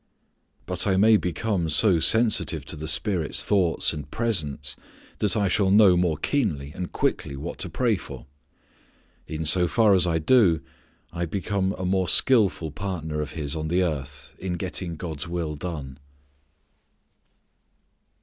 But I may become so sensitive to the Spirit's thoughts and presence, that I shall know more keenly and quickly what to pray for. In so far as I do I become a more skillful partner of His on the earth in getting God's will done.